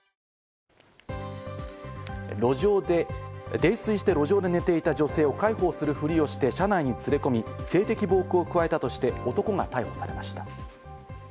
泥酔して路上で寝ていた女性を介抱するふりをして車内に連れ込み、性的暴行を加えたとして男が逮捕されました。